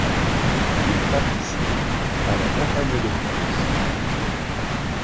Il participe à la campagne de France.